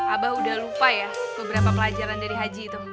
abah udah lupa ya beberapa pelajaran dari haji itu